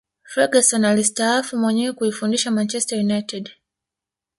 ferguson alistaafu mwenyewe kuifundisha manchester united